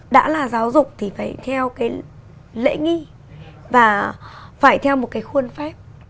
đã là giáo dục thì phải theo cái lễ nghi và phải theo một cái khuôn phép